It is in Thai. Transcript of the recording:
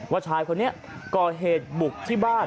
ชายคนนี้ก่อเหตุบุกที่บ้าน